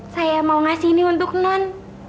saya mau ngasih ini untuk non